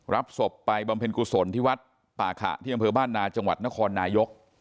รับศพไปบำเพ็ญกุศลที่วัตรปากฏที่บ้านนาจังหวัดนครนายก